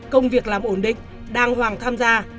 công việc làm ổn định đàng hoàng tham gia